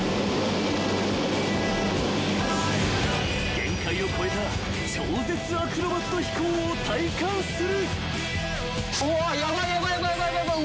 ［限界を超えた超絶アクロバット飛行を体感する］